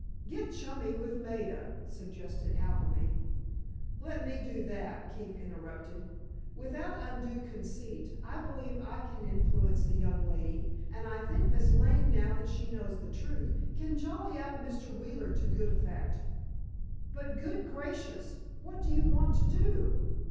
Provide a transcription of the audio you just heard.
"Get chummy with Maida," suggested Appleby. "Let me do that," Keefe interrupted. "Without undue conceit, I believe I can influence the young lady, and I think Miss Lane, now that she knows the truth, can jolly up Mr. Wheeler to good effect." "But, good gracious! What do you want to do?"